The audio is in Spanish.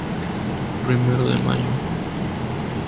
Primero de Mayo.